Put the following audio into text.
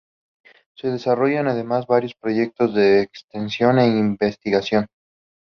Se desarrollan además varios proyectos de extensión e investigación.